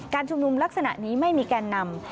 ชุมนุมลักษณะนี้ไม่มีแกนนำ